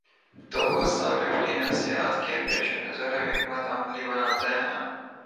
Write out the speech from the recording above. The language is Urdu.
تو وہ صارف کی نفسیات کے پیش نظر حکمت عملی بناتے ہیں۔